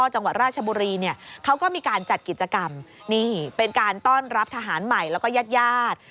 จังหวัดราชบุรีเนี่ยเขาก็มีการจัดกิจกรรมนี่เป็นการต้อนรับทหารใหม่แล้วก็ญาติญาติ